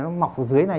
nó mọc ở dưới này